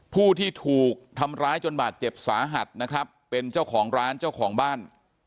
ผู้ที่ถูกทำร้ายจนบาดเจ็บสาหัสนะครับเป็นเจ้าของร้านเจ้าของบ้าน